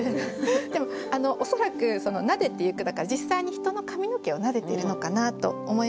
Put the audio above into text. でも恐らく「撫でてゆく」だから実際に人の髪の毛を撫でているのかなと思いました。